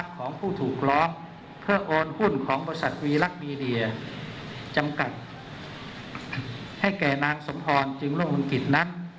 ส่วนของบริษัทวีรักมีเดียจำกัดให้แก่นางสมธรจึงร่วมกลุ่มกิจนัก